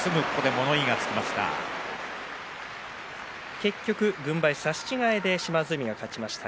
結局、軍配差し違えで島津海が勝ちました。